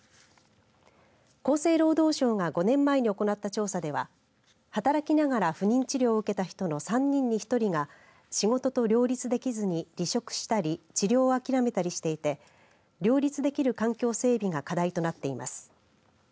厚生労働省が５年前に行った調査では働きながら不妊治療を受けた人の３人に１人が仕事と両立できずに、離職したり治療をあきらめたりしていて両立できる環境整備が課題となっています。